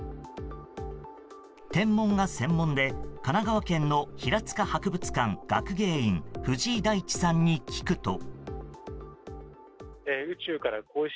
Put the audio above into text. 天文が専門で神奈川県の平塚市博物館学芸員藤井大地さんに聞くと。